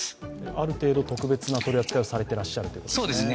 ある程度、特別な取り扱いをされてらっしゃるという。